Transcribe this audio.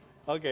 oke baik baik